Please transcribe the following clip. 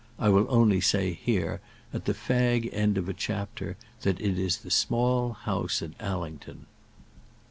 I will only say here, at this fag end of a chapter, that it is the Small House at Allington.